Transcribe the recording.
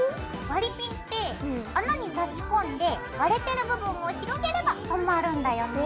割りピンって穴に差し込んで割れてる部分を広げればとまるんだよね。